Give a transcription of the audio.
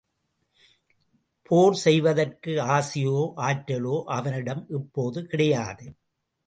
போர் செய்வதற்கு ஆசையோ, ஆற்றலோ அவனிடம் இப்போது கிடையாது.